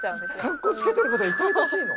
かっこつけてること痛々しいの？